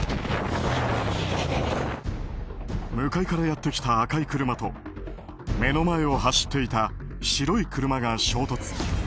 向かいからやってきた赤い車と目の前を走っていた白い車が衝突。